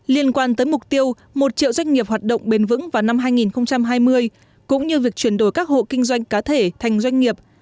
liên quan tới mục tiêu một triệu doanh nghiệp hoạt động bền vững vào năm hai nghìn hai mươi cũng như việc chuyển đổi các hộ kinh doanh cá thể thành doanh nghiệp